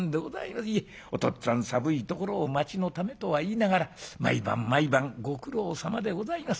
『お父っつぁん寒いところを町のためとは言いながら毎晩毎晩ご苦労さまでございます。